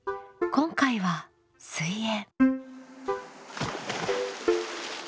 今回は「水泳」。